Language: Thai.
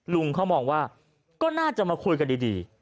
ลุงเขามองว่าก็น่าจะมาคุยกันดี